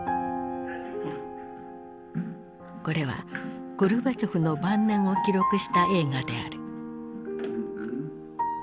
これはゴルバチョフの晩年を記録した映画である。